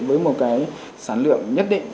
với một cái sản lượng nhất định